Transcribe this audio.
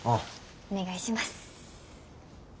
お願いします。